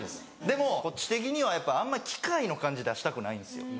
でもこっち的にはやっぱあんま機械の感じ出したくないんですよ。